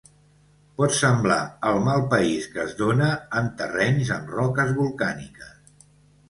Pot semblar el malpaís que es dóna en terrenys amb roques volcàniques.